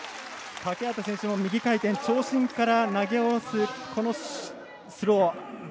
欠端選手の右回転長身から投げ下ろすスロー。